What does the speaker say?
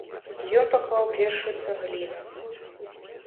Ён паклаў першую цагліну.